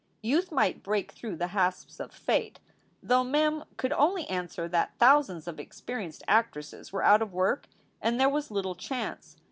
Youth might break through the hasps of fate, though Mem could only answer that thousands of experienced actresses were out of work and there was little chance.